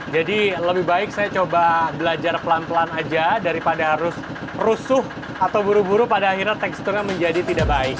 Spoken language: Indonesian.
jadi lebih baik saya coba belajar pelan pelan aja daripada harus rusuh atau buru buru pada akhirnya teksturnya menjadi tidak baik